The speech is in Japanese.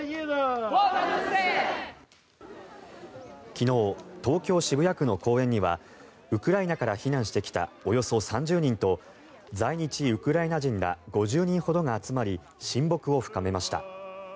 昨日東京・渋谷区の公園にはウクライナから避難してきたおよそ３０人と在日ウクライナ人ら５０人ほどが集まり親睦を深めました。